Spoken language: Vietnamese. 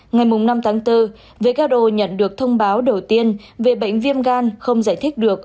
ngày năm tháng bốn who nhận được thông báo đầu tiên về bệnh viêm gan không giải thích được